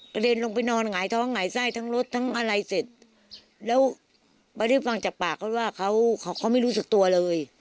เด็นลงไปนอนหงายท้องหงายไส้ทั้งรถทั้งอะไรเสร็จแล้วพอได้ฟังจากปากเขาว่าเขาเขาไม่รู้สึกตัวเลย